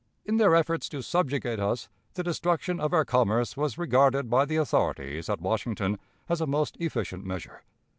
In their efforts to subjugate us, the destruction of our commerce was regarded by the authorities at Washington as a most efficient measure.